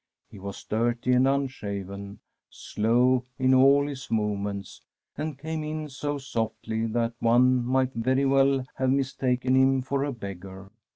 He was dirty and unshaven, slow in all his movements, and came in so softly that one might very well have mistaken him for a beggar.